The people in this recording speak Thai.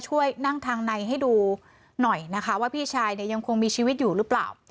ช่วยนั่งทางในให้ดูหน่อยนะคะว่าพี่ชายเนี่ยยังคงมีชีวิตอยู่หรือเปล่า